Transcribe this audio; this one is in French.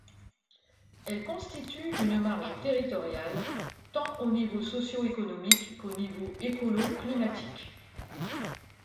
Elle constitue une marge territoriale tant au niveau socio-économique qu'au niveau écolo-climatique.